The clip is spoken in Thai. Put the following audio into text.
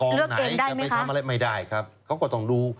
ไหนจะไปทำอะไรไม่ได้ครับเขาก็ต้องดู